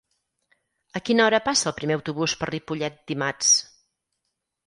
A quina hora passa el primer autobús per Ripollet dimarts?